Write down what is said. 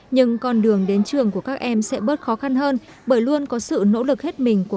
nhưng con đường đến trường của các em sẽ bớt khó khăn hơn bởi luôn có sự nỗ lực hết mình của